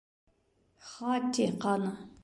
Хати ҡаны.